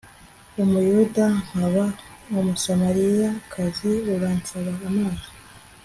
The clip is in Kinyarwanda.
Umuyuda nkaba Umusamariyakazi uransaba amazi